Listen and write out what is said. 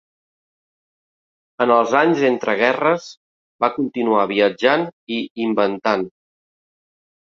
En els anys entre guerres, va continuar viatjant i inventant.